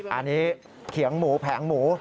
อันนี้เขียงหมูแผงหมู